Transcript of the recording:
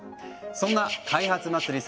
そんな開発祭り